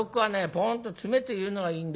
ポーンと詰めて言うのがいいんだよ